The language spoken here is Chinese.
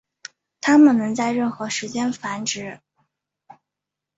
它们能在任何时间繁殖。